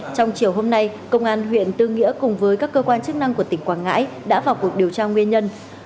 trong chiều hôm nay công an huyện tư nghĩa cùng với các cơ quan chức năng của tỉnh quảng ngãi đã vào cuộc điều tra nguyên nhân